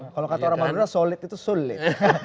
kalau kata orang madura solid itu sulit